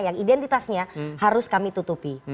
yang identitasnya harus kami tutupi